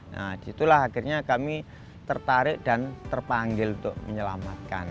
nah disitulah akhirnya kami tertarik dan terpanggil untuk menyelamatkan